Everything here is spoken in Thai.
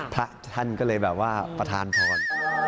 พระท่านก็เลยแบบว่าประธานพร